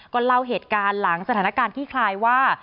ก็เล่าเหตุการณ์หลังสถานการณ์ขี้คลายว่า